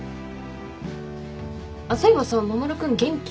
そういえばさ守君元気？